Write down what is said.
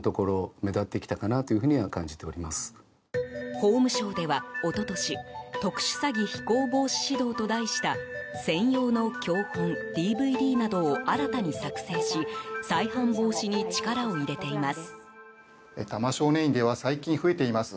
法務省では一昨年特殊詐欺非行防止指導と題した専用の教本、ＤＶＤなどを新たに作成し再犯防止に力を入れています。